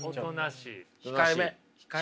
控えめ。